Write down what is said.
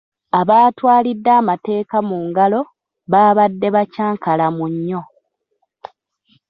Abaatwalidde amateeka mu ngalo baabadde bakyankalamu nnyo.